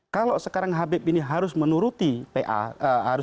kalau sekarang habib ini harus menuruti kum atau koalisi umat madani